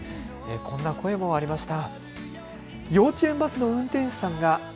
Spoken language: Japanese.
こんな声もありました。